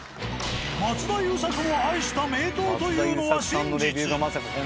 松田優作も愛した名湯というのは真実。